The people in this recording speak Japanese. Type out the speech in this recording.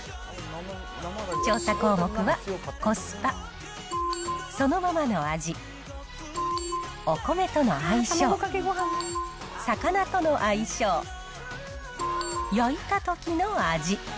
調査項目は、コスパ、そのままの味、お米との相性、魚との相性、焼いたときの味。